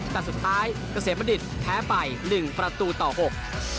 แต่สุดท้ายเกษมบัณฑิตแพ้ไปหนึ่งประตูต่อหก